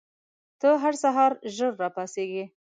ته هر سهار ژر راپاڅې؟